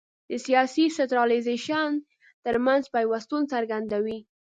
د سیاسي سنټرالیزېشن ترمنځ پیوستون څرګندوي.